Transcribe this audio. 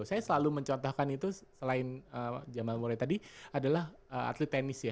saya selalu mencontohkan itu selain jamal murai tadi adalah atlet tenis ya